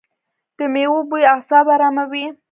د میوو بوی اعصاب اراموي.